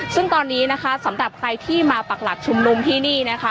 ซึ่งตอนนี้นะคะสำหรับใครที่มาปักหลักชุมนุมที่นี่นะคะ